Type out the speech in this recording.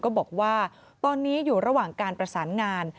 บอกว่าตอนนี้อยู่ระหว่างการประสานงาน